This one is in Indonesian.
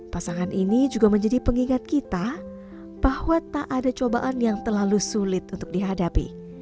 pasangan ini juga menjadi pengingat kita bahwa tak ada cobaan yang terlalu sulit untuk dihadapi